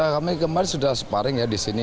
kami kemarin sudah sparring ya disini